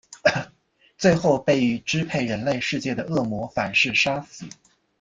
最后被欲支配人类世界的恶魔反噬杀死。